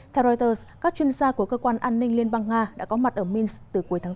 theo reuters các chuyên gia của cơ quan an ninh liên bang nga đã có mặt ở minsk từ cuối tháng bốn